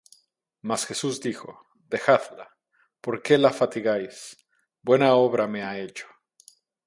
Mas Jesús dijo: Dejadla; ¿por qué la fatigáis? Buena obra me ha hecho;